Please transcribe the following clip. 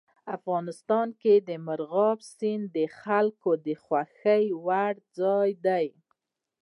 افغانستان کې مورغاب سیند د خلکو د خوښې وړ ځای دی.